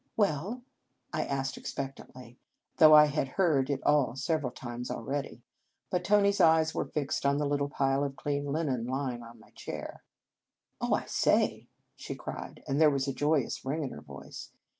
"Well?" I asked expectantly, though I had heard it all several times al ready; but Tony s eyes were fixed on the little pile of clean linen lying on my chair. "Oh! I say," she cried, and there was a joyous ring in her voice.